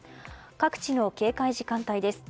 各地の警戒時間帯です。